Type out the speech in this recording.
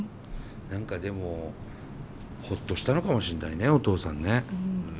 何かでもほっとしたのかもしんないねお父さんね。